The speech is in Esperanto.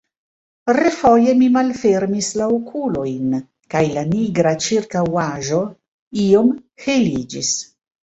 Refoje mi malfermis la okulojn, kaj la nigra ĉirkaŭaĵo iom heliĝis.